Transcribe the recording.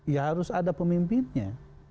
ya harus ada pemimpinnya